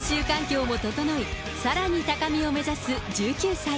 練習環境も整い、さらに高みを目指す１９歳。